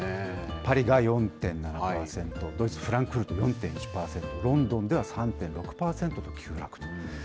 パリが４．７％、ドイツ・フランクフルト４．１％、ロンドンでは３．６％の急落と。